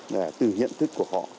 là từ nhận thức của họ